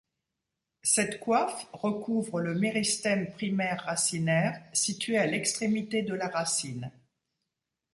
Cette coiffe recouvre le méristème primaire racinaire situé à l'extrémité de la racine.